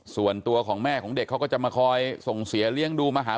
ส่วนตัวของแม่ของเด็กเขาก็จะมาคอยส่งเสียเลี้ยงดูมาหา